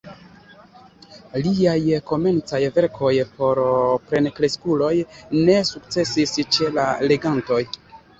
Liaj komencaj verkoj por plenkreskuloj ne sukcesis ĉe la legantoj.